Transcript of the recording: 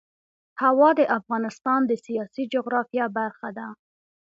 هوا د افغانستان د سیاسي جغرافیه برخه ده.